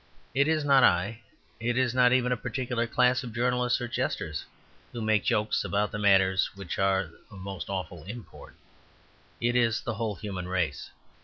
It is not I; it is not even a particular class of journalists or jesters who make jokes about the matters which are of most awful import; it is the whole human race.